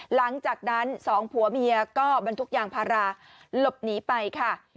หลังจากนั้นสองผัวเมียก็บรรทุกยางพาราหลบหนีไปค่ะ